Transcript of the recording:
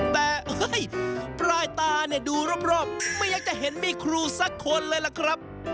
แต่ปลายตาเนี่ยดูรอบไม่อยากจะเห็นมีครูสักคนเลยล่ะครับ